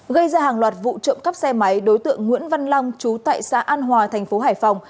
gây ra hàng loạt vụ trộm cắp xe máy đối tượng nguyễn văn long chú tại xã an hòa thành phố hải phòng